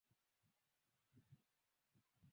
Zanzibar ilikuwa inaongozwa kwa dola ya kisultani